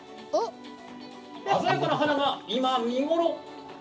「鮮やかな花がいま見頃」。